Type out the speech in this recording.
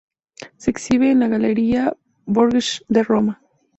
Se exhibe en la Galería Borghese, Roma.